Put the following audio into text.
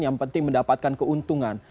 yang penting mendapatkan keuntungan